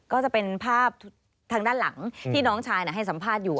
ก็จะเป็นภาพทางด้านหลังที่น้องชายให้สัมภาษณ์อยู่